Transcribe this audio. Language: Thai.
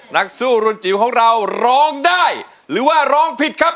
นักสู้รุ่นจิ๋วของเราร้องได้หรือว่าร้องผิดครับ